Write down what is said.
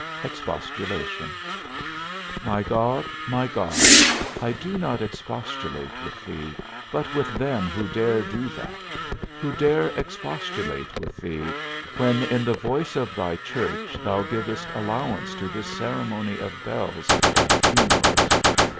XVI. EXPOSTULATION. My God, my God, I do not expostulate with thee, but with them who dare do that; who dare expostulate with thee, when in the voice of thy church thou givest allowance to this ceremony of bells at funerals.